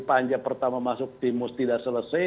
panja pertama masuk timus tidak selesai